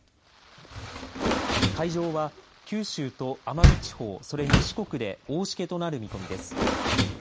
海上は、九州と奄美地方それに四国で大しけとなる見込みです。